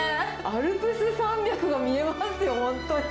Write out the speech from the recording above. アルプス山脈が見えますよ、本当に。